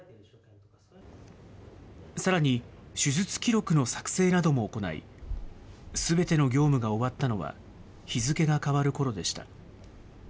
さらに、手術記録の作成なども行い、すべての業務が終わったのは、日付が変わるころでした。